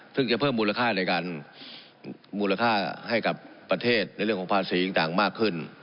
ซึ่งจะเพิ่มมูลค่าในการมูลค่าให้กับประเทศในเรื่องของภาษีต่างมากขึ้น